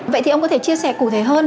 vậy thì ông có thể chia sẻ cụ thể hơn